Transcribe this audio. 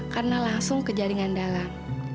karena langsung ke jaringan dalam